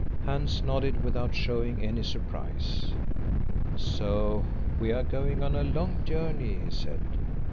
Hans nodded without showing any surprise. "So we are going on a long journey," he said.